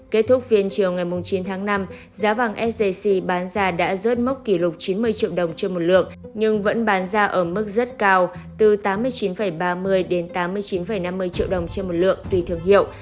kết thúc phiên chiều ngày chín tháng năm giá vàng sjc bán ra đã rớt mốc kỷ lục chín mươi triệu đồng trên một lượng nhưng vẫn bán ra ở mức rất cao từ tám mươi chín ba mươi đến tám mươi chín năm mươi triệu đồng trên một lượng tùy thương hiệu